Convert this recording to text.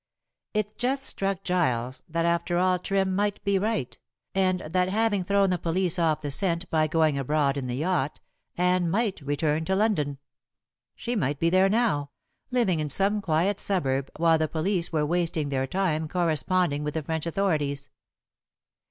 It just struck Giles that after all Trim might be right, and that having thrown the police off the scent by going abroad in the yacht, Anne might return to London. She might be there now, living in some quiet suburb, while the police were wasting their time corresponding with the French authorities.